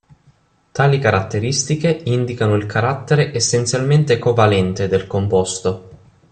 Tali caratteristiche indicano il carattere essenzialmente covalente del composto.